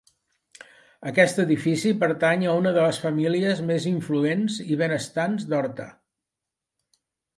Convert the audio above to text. Aquest edifici pertany a una de les famílies més influents i benestants d'Horta.